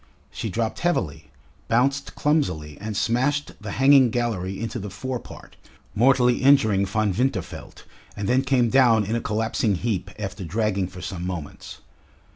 She dropped heavily, bounced clumsily, and smashed the hanging gallery into the fore part, mortally injuring Von Winterfeld, and then came down in a collapsing heap after dragging for some moments.